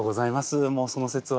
もうその節は。